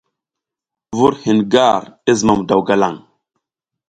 Vur hin gar i zimam daw galang.